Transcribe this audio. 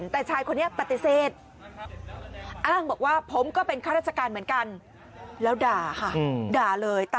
แต่ชายคนนี้ปฏิเสธ